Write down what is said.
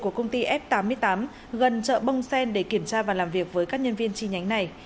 của công ty f tám mươi tám gần chợ bông sen để kiểm tra và làm việc với các nhân viên chi nhánh này